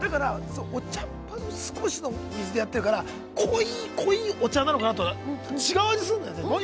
お茶っ葉と少しの水でやってるから濃い濃いお茶なのかと思ったら違う味するんだよね。